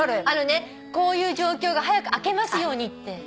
あのねこういう状況が早く明けますようにって。